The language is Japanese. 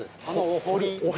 お堀。